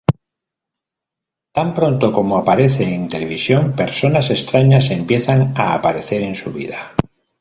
Tan pronto como aparece en televisión, personas extrañas empiezan a aparecer en su vida.